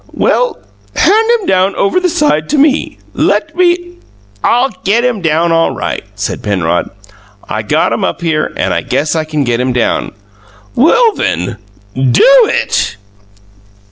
"Well, hand him down over the side to me. Let me " "I'll get him down all right," said Penrod. "I got him up here, and I guess I can get him down!" "Well then, DO it!"